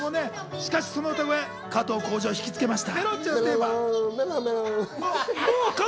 しかし、その歌声、加藤浩次を惹きつけました。